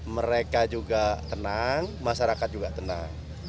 mereka juga tenang masyarakat juga tenang